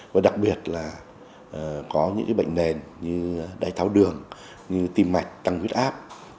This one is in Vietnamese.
và đặc biệt là có những bệnh nền như đáy tháo đường như tim mạch tăng huyết áp